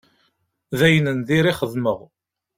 D ayen n dir ixedmeɣ.